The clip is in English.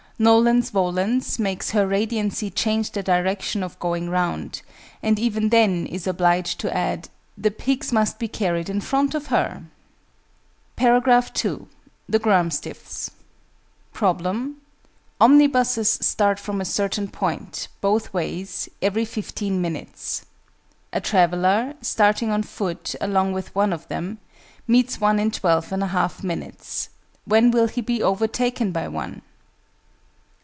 NOLENS VOLENS makes Her Radiancy change the direction of going round; and even then is obliged to add "the pigs must be carried in front of her"! § 2. THE GRURMSTIPTHS. Problem. Omnibuses start from a certain point, both ways, every 15 minutes. A traveller, starting on foot along with one of them, meets one in 12 1/2 minutes: when will he be overtaken by one?